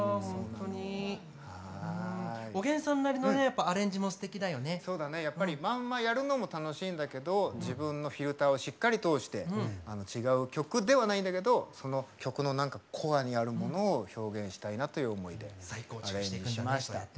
おげんさんなりのアレンジもやっぱりまんまやるのも楽しいけど自分のフィルターをしっかり通して違う曲ではないんだけどその曲のコアにあるものを表現したいなという思いでアレンジしてみました。